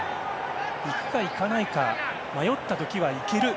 いくか、いかないか迷った時はいける。